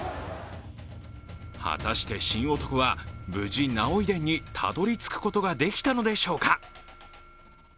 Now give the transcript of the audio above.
果たして神男は無事、儺追殿にたどりつくことはできたのでしょうか。